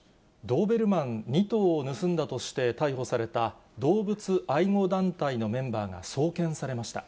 ドーベルマン２頭を盗んだとして逮捕された動物愛護団体のメンバーが送検されました。